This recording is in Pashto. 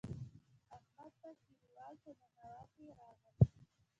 احمد ته کلیوال په ننواتې راغلل.